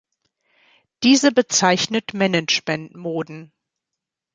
Diese bezeichnet Management-Moden.